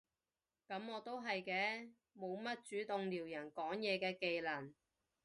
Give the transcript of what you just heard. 噉我都係嘅，冇乜主動撩人講嘢嘅技能